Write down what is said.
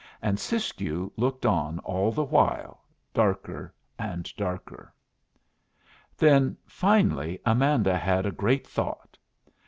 And Siskiyou looked on all the while, darker and darker. Then finally Amanda had a great thought.